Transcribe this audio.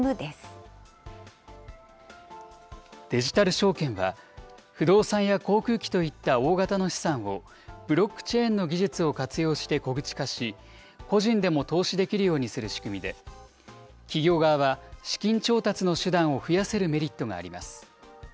デジタル証券は、不動産や航空機といった大型の資産をブロックチェーンの技術を活用して小口化し、個人でも投資できるようにする仕組みで、企業側は資金調達の手段を増やせるメリットがあります。